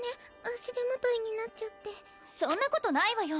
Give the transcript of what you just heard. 足手まといになっちゃってそんなことないわよ